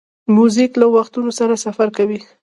موزیک له وختونو سره سفر کوي.